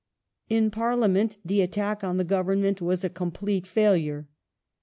In Parliament the attack on the Government was a complete failui e.